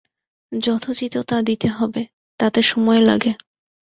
যথোচিত তা দিতে হবে, তাতে সময় লাগে।